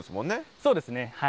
そうですねはい。